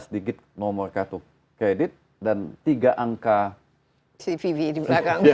enam belas digit nomor kartu kredit dan tiga angka cvv di belakang